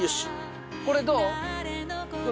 これどう？